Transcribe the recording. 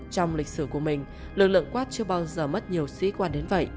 trong lịch sử của mình lực lượng quát chưa bao giờ mất nhiều sĩ quan đến vậy